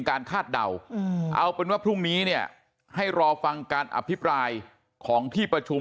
คาดเดาเอาเป็นว่าพรุ่งนี้เนี่ยให้รอฟังการอภิปรายของที่ประชุม